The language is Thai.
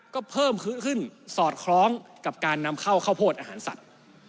ก็เพิ่มขึ้นสอดคล้องกับการนำเข้าข้าวโพดอาหารสัตว์